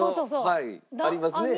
はいありますね。